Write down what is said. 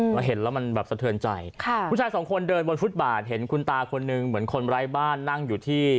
เราเห็นแล้วมันแบบสะเทือนใจค่ะผู้ชายสองคนเดินบนฟุตบาทเห็นคุณตาคนนึงเหมือนคนไร้บ้านนั่งอยู่ที่